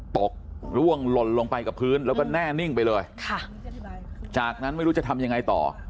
กร่วงหล่นลงไปกับพื้นแล้วก็แน่นิ่งไปเลยค่ะจากนั้นไม่รู้จะทำยังไงต่อ